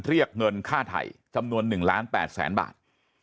เรียกเงินค่าไทยจำนวน๑ล้าน๘แสนบาท